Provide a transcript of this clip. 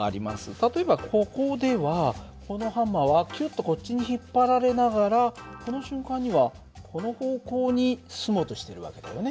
例えばここではこのハンマーはキュッとこっちに引っ張られながらこの瞬間にはこの方向に進もうとしてる訳だよね。